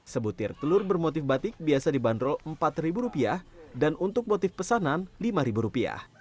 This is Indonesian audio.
sebutir telur bermotif batik biasa dibanderol rp empat dan untuk motif pesanan rp lima